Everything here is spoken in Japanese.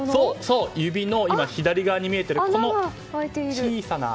指の左側に見えているこの小さな穴。